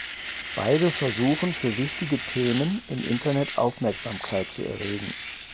Beide versuchen für wichtige Themen im Internet Aufmerksamkeit zu erregen.